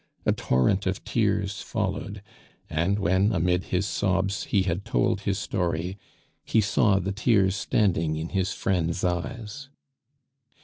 A torrent of tears followed; and when, amid his sobs, he had told his story, he saw the tears standing in his friends' eyes.